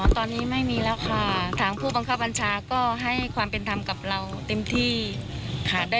ตอนนี้ไม่มีแล้วค่ะทางผู้บังคับบัญชาก็ให้ความเป็นธรรมกับเราเต็มที่ค่ะ